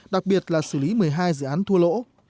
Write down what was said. đặc biệt là xử lý một mươi hai dự án thua lỗ